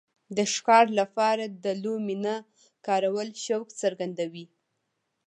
د ښکار لپاره د لومې نه کارول شوق څرګندوي.